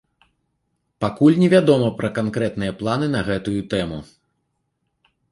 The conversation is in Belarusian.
Пакуль невядома пра канкрэтныя планы на гэтую тэму.